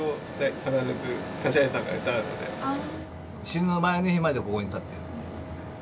死ぬ前の日までここに立ってる。